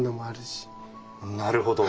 なるほど。